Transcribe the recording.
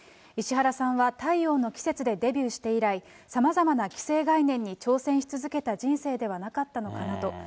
石原さんは太陽の季節でデビューして以来、さまざまな既成概念に挑戦し続けた人生ではなかったのかなと。